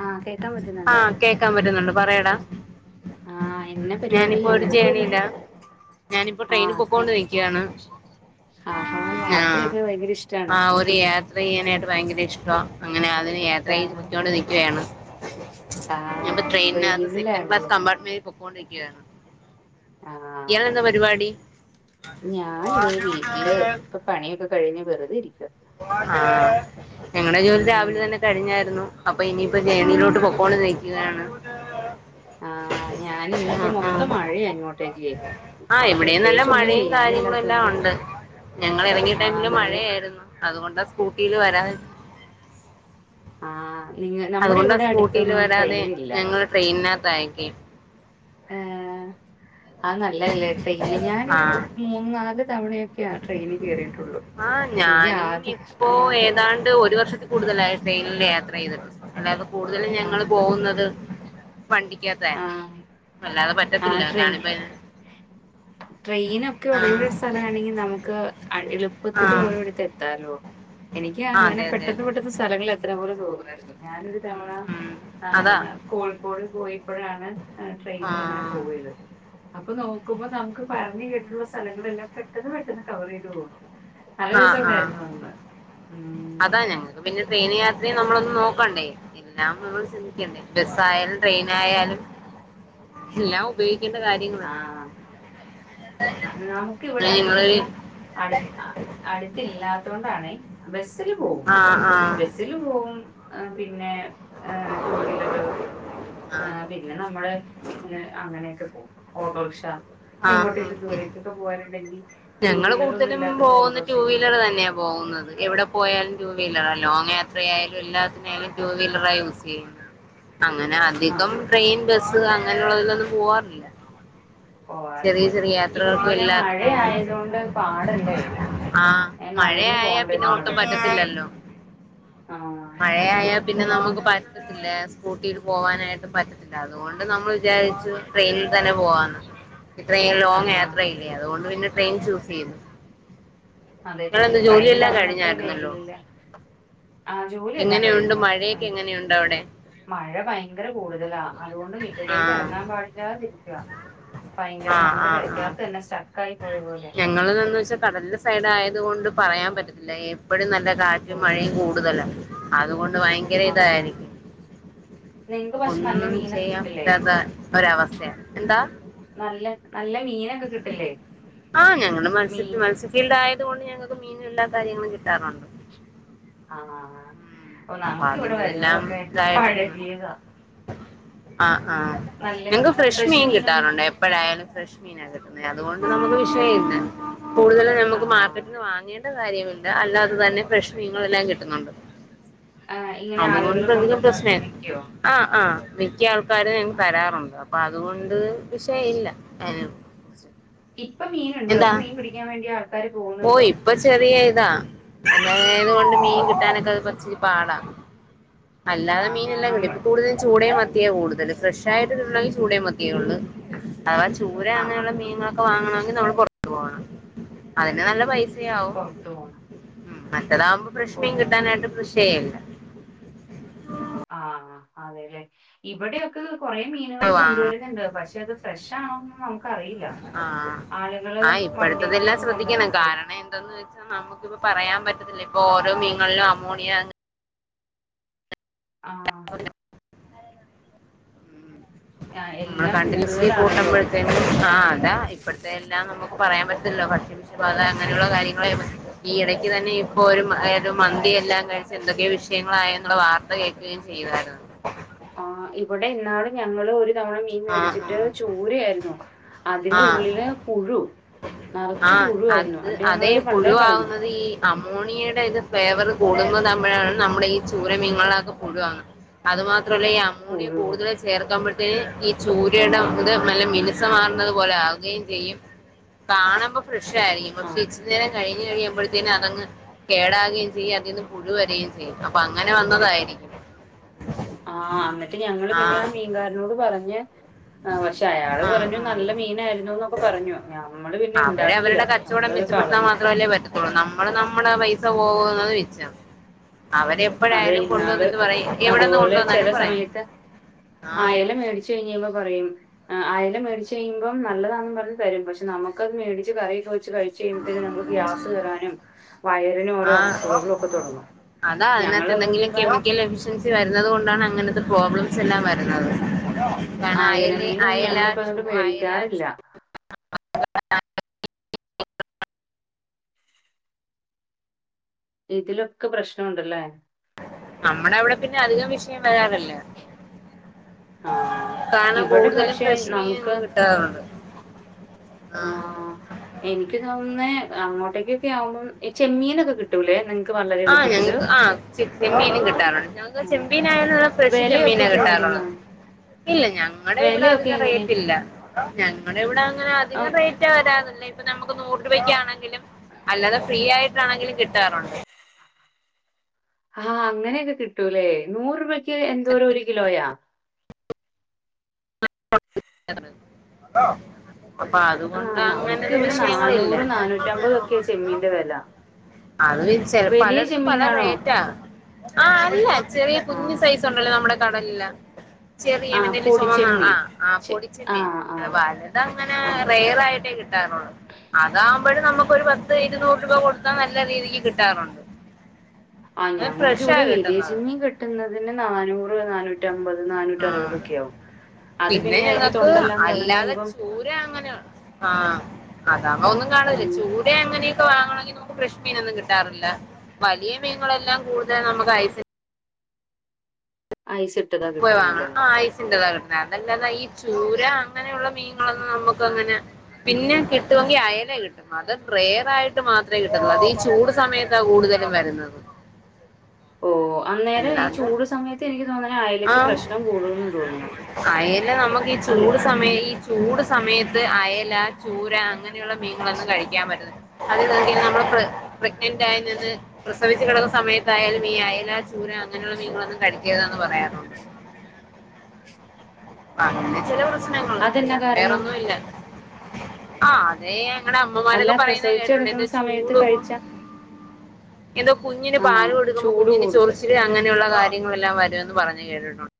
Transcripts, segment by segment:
ആഹ് കേക്കാൻ പറ്റുന്നുണ്ടോ ആഹ് കേക്കാൻ പറ്റുന്നുണ്ട് പറയെടാ ആഹ് എന്ന പരിപാടി എന്നോട് ക്കോരു ഞാനിപ്പോ ട്രെയിനി പോക്കോണ്ട് രിക്ക്യാണ്. ആഹ് അഹ് യാത്രയൊക്കെ ഭയങ്കര ഇഷ്ടാണ് ത്രയ്യാനായിട്ട് ഭയങ്കര ഇഷ്ടാ അങ്ങനെ അതിന് യാത്ര കാ ചെയ്തോണ്ട് നിക്ക്യോയാണ് കാ ഞപ്പൊ ട്രെയിനകത് സെക്കൻഡ് ക്ലാസ് ട്രെയിനിലാണല്ലേ കമ്പാർട്മെന്റി പൊക്കോണ്ടിരിക്കുവാണ് ആഹ് ഇയാളെന്താ പരിപാടി ഞാൻ ദേ വീട്ടില് ഇപ്പൊ പണിയൊക്കെ കഴിഞ്ഞ് വെറുതെ ഇരിക്ക ആഹ് ങ്ങളടെ ജോലി രാവിലെ ഉം തന്നെ കഴിഞ്ഞായിരുന്നു അപ്പൊ ഇനിയിപ്പോ ജേണയിലോട്ട് പൊക്കോണ്ട് നിക്കുകയാണ് ആഹ് ഞാനിന്നിപ്പോ ആഹ് മൊത്തം ആഹ് മഴയെ അങ്ങോട്ടേ. ആഹ് ഇവിടെയും നല്ല മഴയും കാര്യങ്ങളു എല്ലാം ചെയ്യാനില്ലാത്തോണ്ട് ഒണ്ട്. ഞങ്ങൾ എറങ്ങിയ ആഹ് ടൈമില് നല്ല മഴയായിരുന്നു. അതുകൊണ്ടാ സ്കൂട്ടീൽ വരാതി ആഹ് നിങ് നമ്മുടെ ഇവിടെ അടുത്തൊന്നും ട്രെയിന് ഇല്ല ഡ്രെയിനാത്തായിക്കി ഏഹ് ആ നല്ലല്ലെ ചെയ്ല് ഞാനൊരു മൂന്നാല് തവണയൊ ആഹ് എനിക്ക് ഞാനും ആദ്യ ഇപ്പോ ആകെ ഏതാണ്ട് ഒരു വർഷത്തി കൂടുതലായി ട്രെയിനില് യാത്ര ചെയ്ത്ട്ട്ണ്ട്. അല്ലാതെ കൂടുതലും ആ ഞങ്ങള് പോകുന്നത് വണ്ടിക്കാത്തെ ആ അല്ലാതെ ആ പറ്റത്തില്ല ട്രെയി കാര്ണിപ്പെ ട്രെയിനൊക്കെ ഉള്ളൊരു സലാണെങ്കിൽ നമുക്ക് അ ആ എളുപ്പത്തില് ഓരോട്ത്ത് എത്താലോ. എനിക്ക് ആ അങ്ങനെ അതെ അതെ അതെ പെട്ടെന്ന് പെട്ടെന്ന് സ്ഥ സ്ഥലങ്ങളിൽ എത്ര പോലെ തോന്നുവാരുന്നു ഞാനൊരു ഉം തവണ ഉം അതാ ആഹ് കോഴിക്കോട് പോയി. പ്പഴാണ് ആ ട്രെയിനി ഇങ്ങനെ പോവയെത് അപ്പൊ നോക്കുമ്പോ നമുക്ക് പറഞ്ഞ് കേട്ടിട്ട്ള്ള സലങ്ങളെല്ലാം പെട്ടെന്ന് പെട്ടെന്ന് കവറെയ്ത് പോവും നല്ല ആ ആ രസൊണ്ടായിരുന്നു അന്ന് ഉം ഇപൊ പിന്നെ ഡ്രെയിൻയാത്രയും നമ്മളൊന്നു നോക്കണ്ടേ പിന്ന അമ്മളോടി ചിന്തിക്കണ്ടേ ബസ്സായാലും ട്രെയിനായാലും എല്ലാം ഒ ഉപയോഗിക്കണ്ട കാര്യങ്ങള് ആ. [unintelligible] ഇങ്ങളൊര് അട് അട്ത്തില്ലാത്തോണ്ടാണ് ബെസ്സിൽ പോവും ആഹ് ആഹ് ബെസില് പോവും. പിന്നെ എ ടുവീലർ ആ പിന്നെ നമ്മള് അങ്ങനെയക്ക പോവും ഓട്ടോറിക്ഷ ആഹ് എങ്ങോട്ടേലും ആഹ് ദൂരേക്കൊക്കെ പോകാനുണ്ടെങ്കി ഞങ്ങള് കൂടുതലും പോകുന്ന ടുവീലർ തന്നെയാ പോകുന്നത് എവിടെ പോയാലും ടു വീലറ ലോങ്ങ് യാത്രയാലും എല്ലാത്തിനായാലും ടു വീലറാ യൂസ് ചെയ്യുന്നെ അങ്ങനെ ആ അധികം ട്രെയിൻ ബസ് അങ്ങനെയുള്ളതിലൊന്നും പോവാറില്ല ചെറിയ പോവാറില്ല ചെറിയ ഇപ്പൊ യാത്രകൾക്കും പിന്നെ മഴ ആയതോണ്ട് പാടല്ലേ ആ നനഞ്ഞു മഴയായ പോണ്ടേ പിന്നെ ഒട്ടും നമ്മള് പറ്റത്തില്ലല്ലോ ആ അതാണ് മഴയായാൽ പിന്നെ നമുക്ക് പറ്റത്തില്ല സ്കൂട്ടിൽ പോവാനായിട്ട് പറ്റ് അതുകൊണ്ട് നമ്മള് വിചാരിച്ചു ട്രെയിനിൽ തന്നെ പോവാന്ന് ട്രെയിൻ ആ ലോങ്ങ് യാത്രയില്ലേ അതുകൊണ്ട് പിന്നെ ട്രെയിൻ ചൂസ് ചെയ്യും അതെ കഴിഞ്ഞ തവണത്തെ വെയിലില്ല ആ ജോലിയെല്ലാം കഴിഞ്ഞു ആയി നീയുണ്ടോ അവിടെ മഴ ഭയങ്കര കൂടുതലാ അതുകൊണ്ട് മിറ്റത്തേക്ക് ആഹ് എറങ്ങാൻ പാടില്ലാതിരിക്കുവ ഭയങ്കര ആഹ് നമ്മള് പെരക്കാത്തന്നെ സ്റ്റക്കായി പോയ പോലെ ഞങ്ങള്ന്ന് വെച്ചാൽ കടൽന്റെ സൈഡായത് കൊണ്ട് പറയാൻ പറ്റത്തില്ല എപ്പഴും നല്ല ഓ കാറ്റും മഴയും കൂടുതല അതുകൊണ്ട് ഭയങ്കര ഇതാ ആഹ് എനിക്ക് നിങ്ങക്ക് പക്ഷെ നല്ല ഒന്നും മീനൊക്കെ ചെയ്യാൻ കിട്ടില്ലേ പറ്റാത്ത ഒരവസ്ഥയ എന്താ നല്ല നല്ല മീനൊക്ക കിട്ടില്ലേ മീൻ ഫീൽഡ് ആയതോണ്ട് ഞങ്ങൾക്ക് മീനും എല്ലാ കാര്യങ്ങളും കിട്ടാറുണ്ട് ആഹ് ഓ അപ്പൊ നമുക്കിവിടെ അതിന്റെതെല്ലാം വെള്ളമൊക്കെ പഴകിയതാ ആ ഉം ആഹ് നല്ല നിങ്ങക്ക് ഫ്രഷ് മീൻ മീനൊന്നും കിട്ടാറുണ്ടാ എ എപ്പഴായാലും ഫ്രഷ് മീനാ കിട്ടുന്നത് അതുകൊണ്ട് നമുക്ക് വിഷയില്ലാ കൂടുതലും നമുക്ക് മാ ആഹ് വാങ്ങേണ്ട കാര്യമില്ല അല്ലാതെ തന്നെ ഫ്രഷ് മീനുങ്ങളെല്ലാം കിട്ടുന്നുണ്ട് ആ ഇങ്ങനെ ആളുകൾ അതുകൊണ്ട് അധികം കൊണ്ടുവന്ന് പ്രശ്നേ വെക്കോ ആഹ് ആഹ് മിക്ക ആൾക്കാരും ഞങ്ങക്ക് തരാറുണ്ട് അപ്പൊ അതുകൊണ്ട് വിഷയില്ല അ ഇപ്പൊ മീനുണ്ടോ അതും മീൻ പിടിക്കാൻ വേണ്ടിയാർ ഓ ഇപ്പൊ ചെറിയ ഇതാ അങ്ങനെ ആയതു കൊണ്ട് മീൻ കിട്ടാനൊക്കെ കൊറച്ചു പാടാ അല്ലാെതെ മീൻ ആഹ് എല്ലാണ്ട് നമ്മൾ ഇപ്പം കൂടുതലും ചൂടയും മത്ത് മത്തിയ കൂടുതല് ഫ്രഷ് ആയിട്ട് തിന്നണേൽ ചൂടയും മത്തിയേ ഒള്ളൂ അതവാ ചൂര ആഹ് അങ്ങനെയൊള്ള മീൻങള വാങ്ങണോങ്കി നമ്മള് പൊർത്ത് പോണം അയിന് നല്ല പൈസ് പൊർത്ത് പോണം ഉം മറ്റേതാവുമ്പോ ഫ്രഷ് മീൻ ഓ കിട്ടാനായിട്ട് പ്രേശെയ്യണ്ട ആഹ് അതെല്ലെ ഇവിടെ ഒക്കെ കൊറേ മീനുകൾ വാങ്ങണം കൊണ്ടുവരുന്നുണ്ട് പക്ഷെ അത് ഫ്രഷ് ആണൊന്ന് നമു ആഹ് ആഹ് ഇപ്പോഴത്തെത് എല്ലാം വണ്ടികളിലൊക്കെ ശ്രദ്ധിക്കണം കൊണ്ടുവരുന്നത് കാരണം എന്താന്ന് വെച്ച് നമുക്കിപ്പ പറയാൻ പറ്റത്തില്ല ഇപ്പൊ ഓരോ മീൻങ്ങളിലും അമോണിയ ആഹ് ആഹ് നമ്മള് എല്ലാം കണ്ടിന്യൂസ്ലി കൂടുതലാണല്ലോ കൂട്ടുമ്പഴ്ത്തേന് ആഹ് അതാ ഇപ്പഴത്തെ എല്ലാം നമുക്ക് പറയാൻ പറ്റത്തില്ല ഭക്ഷ്യ വിഷ ബാധ അങ്ങനെയുള്ള കാര്യങ്ങളെ പറ്റി ഈ എടക്ക് തന്നെ ഇപ്പൊ ഒര് ഏതൊ മന്തിയെല്ലാം കഴിച്ച് എന്തൊക്കെയൊ വിഷയങ്ങളായെന്നുള്ള വാർ ഇപ്പ കേക്കേം ചെയ്യുവാര്ന്നു ആ ഇവിടെ ഇന്നാള് ഞങ്ങളൊരു ഇത്തവണ മീൻ ആ മേടിച്ചിട്ട് ചൂരായിരുന്നു ആ അതിന്റെ ആ ഉള്ളില് പുഴു ആ നറച്ചു പുഴുവായിരുന്നു അത് അണ്ട് അതെ ഞങ്ങളത് പള്ളേ കളഞ്ഞു പുഴുവാവുന്നത് ഈ അമോണിയയുടെ ഇത് ഫ്ലേവർ കൂടുന്ന താവുംമ്പഴാണ് നമ്മുടെ ഈ ചൂര മീൻങ്ങളൊക്കെ പുഴു ആവുന്നത് അത് മാത്രല്ല ഈ അമോണിയ പുഴു കൂടുതൽ കൂടുന്ന് ചേർക്കംമ്പഴ് ഇത് ഈ ചൂരയുടെ ഇത് നല്ല മിനിസമാർന്നത് പോലാകുകയും ചെയ്യും കാണംമ്പം ഫ്രഷ് ആരിക്കും പക്ഷെ ആഹ് ഇച്ചിരി നേരം കഴിഞ്ഞ് കഴിയുംമ്പഴ്ത്തേനും അതങ്ങ് കേടാകുകയും ചെയ്യും അതീന്ന് പുഴു വരേം ചെയ്യും അപ്പൊ അങ്ങനെ വന്നതായിരിക്കും ആഹ് എന്നിട്ട് ഞങ്ങള് പിന്നെ ആ മീൻകാരനോട് പറഞ്ഞ് ആഹ് പക്ഷെ അയാള് ആ പറഞ്ഞു നല്ല ആ മീനായിരുന്നു എന്നൊക്കെ പറഞ്ഞു ഞമ്മള് പിന്നെ അവര് ഇണ്ടാക്ക അവരുടെ കച്ചവടം മെച്ചപ്പെടുത്താൻ മാ ത്ര അല്ലെ പറ്റ നമ്മള് നമ്മടെ പൈസ പോവോന്ന് നിച്ചം അവരെ അതെ ഇന്നാള് അതുപോലെ കൊണ്ടുവന്നാലും ചെല പറയും സമയത്ത് ആഹ് ആയല മേടിച്ചു [unintelligible] പറയും ആഹ് അയ്ല മേടിച്ച് കഴിയുമ്പം നല്ലതാണെന്ന് പറഞ്ഞു തരും പക്ഷെ നമ്മക്ക് അത് മേടിച്ച് കറി ഒക്കെ വെ ച്ച് കഴിച്ച് കഴിയുമ്പോത്തേക്ക് നമുക്ക് ഗ്യാസ് കേറാനും വയറിനു ഓരോ ആഹ് അസ്വസ്ഥതകള ഒക്കെ തുടങ്ങും അതാ അതിനകത്ത് എന്തെങ്കിലും കെമിക്കൽ എഫിഷ്യൻസി ഉം വരുന്നത് കൊണ്ടാണ് അങ്ങനത്തെ പ്രോബ്ലംസ് എല്ലാം വരുന്നത് കാരണം അയല മീനൊന്നും അയലാ ഞങ്ങളിപ്പ ച്ചു അതുകൊണ്ട് അയലാ ച്ചു മേടിക്കാറില്ല. ഇതിലൊക്കെ പ്രശ്നുണ്ടല്ലേ നമ്മടെ അവിടെ പിന്നെ അധികം വിഷയം വരാറില്ല ആഹ് കാരണം ഇവിടെ കൂടുതലും പക്ഷെ ഫ്രഷ് നമുക്ക് മീനുകള് കിട്ടാറുണ്ട് ആഹ് എനിക്ക് തോന്ന്ന്നേ അങ്ങോട്ടേക്കൊക്കാവുമ്പോം ചെമ്മീനൊക്കെ കിട്ടും ട്ടൂല്ലേ നിൻക്ക് പർഞ്ഞെ ആഹ് ഞങ്ങക്ക് ആഹ് ചെമ്മീനും കിട്ടാറുണ്ട് ഞങ്ങക്ക് ചെമ്പീനായുള്ള ഫ്രഷ് ചെമ്മീന വെലയൊക്കെ കിട്ടാറുള്ളത് കൂടുതലാണ്. ഇല്ല ഞങ്ങളുടെ ഇവിടെ വെലയൊക്കെ അധിക എങ്ങനെയാ? റേറ്റ് ഇല്ല ഞങ്ങളവിടെ അങ്ങനെ അം അധികം റേറ്റ് റ്റ് വരാറില്ല ഇപ്പൊ നമുക്ക് നൂറ് രൂപയ്ക്കാണെങ്കിലും അല്ലാതെ ഫ്രീ ആയിട്ടാണെങ്കിലും കിട്ടാറുണ്ട് ആഹ് അങ്ങനെയൊക്കെ കിട്ടൂല്ലേ നൂറ് രൂപക്ക് എന്തോരോ ഒരു കിലോയാ [unintelligible] അപ്പൊ ആ അതുകൊണ്ട് അങ്ങനത് നമുക്കിവിടെ വിഷയങ്ങളില്ല ഒക്കെയാ ചെമ്മീന്റെ വെല. അത് ചില വലിയ പലേട്ത്തും പല ചെമ്മീനാണോ? റേറ്റാ ആഹ് അല്ല ചെറിയ ആ. കുഞ്ഞ് സൈസ്ണ്ടല്ലോ നമ്മടെ കടൽല്ല് ചെറിയ ആ മന്റെല് ചോന്ന പൊടിച്ചെമ്മീൻ. ആഹ് ചെ പൊടിച്ച ആ, മീൻ ആ, അടെ വലുതങ്ങനെ ആ. റെയറായിട്ടേ കിട്ടാറുള്ളു അതാവമ്പോഴ് നമുക്കൊരു പത്ത് ഇരുന്നൂറ് രൂപ കൊടുത്താ നല്ല രീതിക്ക് കിട്ടാറുണ്ട് ആ അത് ഞങ്ങക്ക് ഫ്രഷാ ഇവിടെ വലിയ കിട്ടുന്നത് ചിമ്മീൻ കിട്ടുന്നതിന് നാനൂറ് നാനൂറ്റ നൂറ്റമ്പത് ആ നാനൂറ്ററുപതൊക്കെ ആവും പിന്നെ ഞങ്ങക്ക് അല്ലാതെ കഴിയുമ്പം ചൂര അങ്ങനെ ആഹ് അതാവുമ്പോ ഒന്നും കാണില്ല ചൂട അങ്ങനെയൊക്കെ വാങ്ങണെങ്കിൽ ഫ്രഷ് മീനൊന്നും കിട്ടാറില്ല. വലിയ മീൻകളെല്ലാം കൂടുത നമക്ക് ഐസ് ഐസ് ഇട്ട് പോയി വാങ്ങണം ആഹ് ഐസിൻന്റെറെതാ കിട്ടും അതല്ലാത ഈ ചൂര അങ്ങനെയുള്ള മീനങ്ങളൊന്നും നമ്മുക്കങ്ങനെ പിന്നെ കിട്ടൊങ്കിൽ അയല കിട്ടും അത് റെയറായിട്ട് മാത്രമേ കിട്ടുള്ളൂ അത് ഈ ചൂട് സമയത്ത് കൂടുതലും വരുന്നത് ഓഹ് അന്നേരം ഈ അല്ലാതെ ചൂട് സമയത്ത് എനിക്ക് തോന്നണ ആ ആയലക്ക് പ്രശ്നം കൂടുന്ന് തോന്നുന്നു അയല നമുക്ക് ഈ അല്ലെ ചൂട് സമയ ഈ ചൂട് സമയത്ത് അയല, ചൂര അങ്ങനെയുള്ള മീൻകളൊന്നും കഴിക്കാൻ പറ്റുന്നില്ല അത് കണ്ട് നമ്മള് പ്ര പ്രഗ്നന്റ് ആയി നിന്ന് പ്രസവിച്ച കിടുന്ന സമയത്തായാലും ഈ അയല ചൂര അങ്ങനെയുള്ള മീൻ കളൊന്നും കഴിക്കരുതന്ന് പറയാറ് പ്പങ്ങനെ ചെല പ്രശ്നങ്ങള് അതെന്നാ അല്ലാതെ കാരണം? വേറൊന്നും ഇല്ല ആഹ് അതെ ഞങ്ങടെ അല്ല അമ്മമാരൊക്കെ പറയുന്ന പ്രസവിച്ചു കേട്ട്ട്ടുണ്ട് കിടക്കുന്ന എന്താ സമയത്ത് ചൂട് കഴിച്ചാ എന്തോ കുഞ്ഞിന് പാല് ആഹ് കൊടുക്കുമ്പോ ചൂട് കുഞ്ഞിന് കൂടും. ചോറിച്ചി ച്ചില് അങ്ങനെള്ള കാര്യങ്ങളെല്ലാം വരുമെന്ന് പറഞ്ഞ് കേട്ടിട്ടുണ്ട്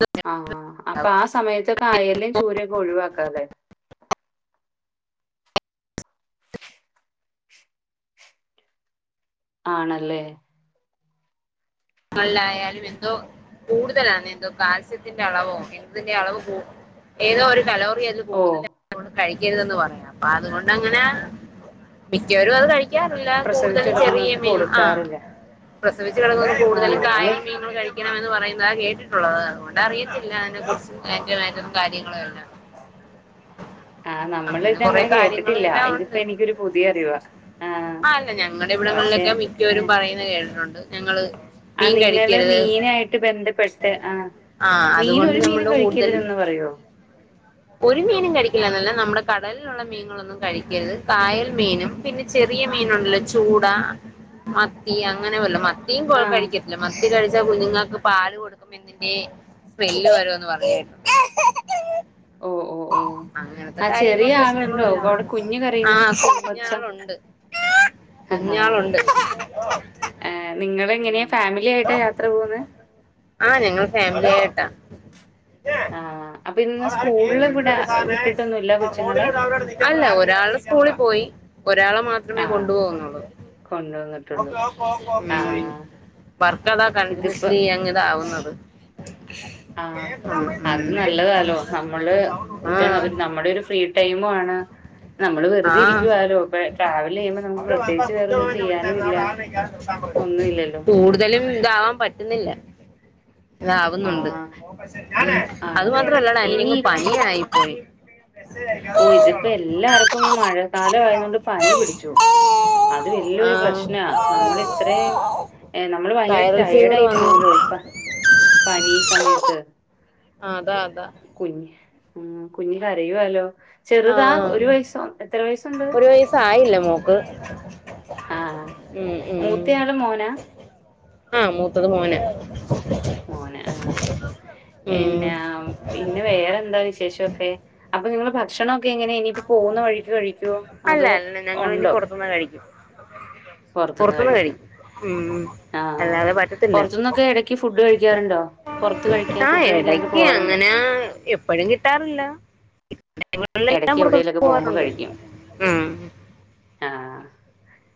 [unintelligible] ആഹ് അപ്പൊ ആ സമയത്തൊക്കെ ആയലേം ചൂരൊക്കെ ഒഴിവാക്കാ ല്ലേ ആണല്ലേ ല്ലായാലും എന്തോ കൂടുതലാണ് എന്തോ കാൽസ്യത്തിന്റെ അളവോ എന്തിന്റെ അളവ് കൂടു- ഏതോ ഒരു കലോറിയതിൽ ഓഹ് കൂടുതല കഴിക്കരുതെന്ന് പറയാം അപ്പൊതു കൊണ്ടങ്ങനെ മിക്കവരും അത് കഴി ക്കാറില്ല പ്രസവിച്ചു കൂടുതലും ചെറിയ കിടക്കുന്നവർക്ക് മീൻ ആഹ് കൊടുക്കാറില്ല. പ്രസവിച്ചു കിടക്കുന്നത് ആഹ് കൂടുതലും നമ്മള് കായേം മീനും കഴിക്കും ണമെന്ന് പറയുന്നതാ കേട്ടിട്ടുള്ളത്. അതുകൊണ്ട് അറിയത്തില്ല അതിനെ കുറിച്ചും അയ്ൻ്റെ മേറ്റത്തെ കാര്യങ്ങളും എല്ലാം [inaudible] ആഹ് നമ്മൾ ഇത് കൊറേ അങ്ങനെ കാര്യങ്ങളും കേട്ടിട്ടില്ല എല്ലാം ഇതിപ്പോ ഉണ്ട് എനിക്കൊരു പുതിയ അറിവ ആഹ് ആ അല്ല ഞങ്ങളുടെ പക്ഷെ ഇവിടങ്ങളിലൊക്കെ മിക്കവരും ഏഹ് പറയുന്ന കേട്ടിട്ടുണ്ട് ഞങ്ങള് ആഹ് മീൻ നിങ്ങള് കഴിക്കരുത് മീനായിട്ട് ബന്ധപ്പെട്ട് ആഹ് ആ മീൻ അതുകൊണ്ട് ഒരു മീനും നമ്മള് കൂടുതലും കഴിക്കർതന് പറയോ ഒരു മീനും കഴിക്കില്ലന്നല്ല നമ്മുടെ കടൽലുള്ള മീനുകളൊന്നും കഴിക്കരുത് കായൽ മീനും പിന്നെ ചെറിയ മീനുണ്ടല്ലോ ചൂട, മത്തി അങ്ങനെ വല്ലോം മത്തിയും പോലെ ആഹ് കഴിക്ക ല്ല മത്തി കഴിച്ച കുഞ്ഞുങ്ങൾക്ക് പാല് കൊടുക്കുമ്പൊ ന്തിന്റെ സ്മെല്ല് വരോന്ന് പറഞ്ഞിരുന്നു. ഓ ഓ ഓ ആഹ് ചെറിയ ആളുണ്ടോ അവിടെ കുഞ് ആഹ് കുഞ്ഞാളുണ്ട് കുഞ്ഞാളുണ്ട് ഏഹ് നിങ്ങളെങ്ങനെയാ ഫാമിലിയിട്ടാ യാത്ര പോകുന്നേ? ആഹ് ഞങ്ങള് ഫാമിലിയായിട്ടാ ആ അപ്പൊ ഇന്ന് സ്കൂളില് വിടാ വിട്ടിട്ടൊന്നുല്ല കൊച്ചുങ്ങളെ? [unintelligible] അല്ല ഒരാള് സ്കൂളിൽ പോയി ഒരാളെ മാ ആ ത്രമേ കൊണ്ടു പോകുന്നൊള്ളൂ ഉം കൊണ്ടുവന്നിട്ടുള്ളൂ. ആ വർക്കതാ ഇതിപ്പോ കണ്ടിന്യൂസ്ലി അങ്ങത ആവുന്നത് ആഹ് അത് നല്ലതാല്ലോ നമ്മളില് ഇപ്പൊ നമ്മുടെ ഒരു ഫ്രീ ടൈമു ആണ് നമ്മള് ആ. വെറുത ഇരിക്കുവാലോ പ്പൊ ട്രാവൽ ചെയ്യുമ്പോ നമുക്ക് അവരെ ആ പ്രത്യേകിച്ച് വേറൊന്നും കുഞ്ഞമ്മനെ വിളിച്ചായിരുന്നു ചെയ്യാനുംല്ല. [unintelligible] ഒന്നുമില്ലല്ലോ ന്താലും ഇതാവാൻ പറ്റുന്നില്ല ആ ഇതാവുന്നുണ്ട്. അത് ആണല്ലേ. മാത്രല്ലടാ ഇനി എനിക്കങ്ങ് ഇപ്പ- പനിയായി പോയി ഓ തിപ്പോ എല്ലാർക്കും ഈ മഴ കാലം ആയതൊണ്ട് പനി പിടിച്ചു അത് ആ വലിയൊരു പ്രശ്ന നമ്മൾ ഇത്രയും ഏഹ് നമ്മള് ഭയങ്കര വൈറൽ ടയേർഡ് ഫീവർ ആയി വന്നു പോവോലോ ഇപ്പ പനി സമയത്ത് ആഹ് അതാ അതാ കുഞ്ഞ് ഉം കുഞ്ഞ് കരയുവാല്ലോ ആ ചെറുതാ ഒരു വയസോ എത്ര വയസുണ്ട്? ഒരു വയസ്സായില്ല മോക്ക് ആഹ് ഉം മൂത്തയാള് മോനാ ആഹ് മൂത്തത് മോനാ മോന ആഹ് ഉം പിന്നാ പിന്നെ വേറെന്താ വിശേഷവൊക്കെ അപ്പൊ നിങ്ങളെ ഭക്ഷണൊക്കെ എങ്ങനെയാ ഇനിയിപ്പോ പോവുന്ന വഴിക്ക് കഴിക്കോ അതോ ഉണ്ടോ? മ്പൊ കഴിക്കും [inaudible] പുറത്തുന്ന് കഴി ശരി ഉം ആഹ് അല്ലാതെ പറ്റത്തില്ല പുറത്തുന്നൊക്കെ ഇടക്ക് ഫുഡ് കഴിക്കാറുണ്ടോ പുറത്ത് കഴിക്കാൻ ആ ഫുഡ് കഴിക്കാനൊക്കെ ഇടയ്ക്ക് പോവാറുണ്ടോ അങ്ങനെ എപ്പോഴും കിട്ടാറില്ല ഞൻ എടക്ക് കൂടെ കൂ എവിടേലൊക്കെ പോകുമ്പോ പോവാറുണ്ട് കഴിക്കും ഉം ആഹ്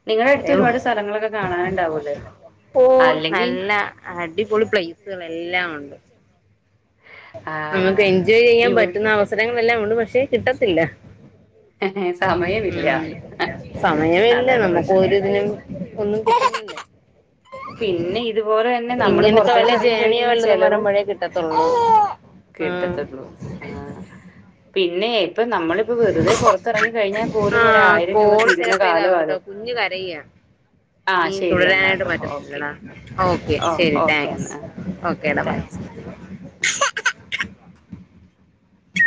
നിങ്ങടെ എടുത്ത് അത്രേള്ളൂ ഒരുപാട് സ്ഥലങ്ങളൊക്കെ കാണാനുണ്ടാവൂല്ലേ? പ്പോയ് അല്ലെങ്കി നല്ല അടിപൊളി പ്ലേസുകൾ എല്ലാം ഉണ്ട് നമുക്ക് ആഹ് എൻജോയ് ചെയ്യാൻ ഇവി പറ്റുന്ന അവസരങ്ങളെല്ലാം ഉണ്ട് പക്ഷെ കിട്ടത്തില്ല സമയമില്ല ഉം സമയോംയില്ല അതാണ് നമുക്ക് പ്രശ്നം. ഒരിതിനും ഒന്നും കിട്ടേ- പിന്നെ ഇ- ഇങ്ങനത്തെ വല്ല ജേർണിയും വല്ലതും ചെലവും വരമ്പഴേ കിട്ടതത്തോള്ളൂ ആഹ് കിട്ടത്തുള്ളൂ. ആഹ് പിന്നെ ഇപ്പൊ നമ്മളിപ്പോ വെറുതെ പൊറത്തിറങ്ങി കഴിഞ്ഞാൽ ആ പോലും ഒരായിരം രൂപ കോള് തീരുന്ന ചിലപ്പോ ഇതാവും കാലമാല്ലോ കേട്ടോ കുഞ്ഞ് കരയ ഇനി തുടരാനായിട്ട് എന്നാട്ടോ പറ്റത്തില്ല ഓക്കെ. എന്നാ ഓക്കെ ഓഹ് ശരി ഓക്കെ താങ്ക്സ് ഓക്കെടാ മോനെ ആ